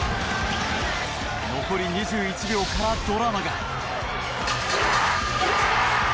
残り２１秒からドラマが。